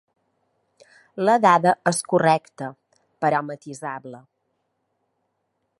La dada és correcta, però matisable.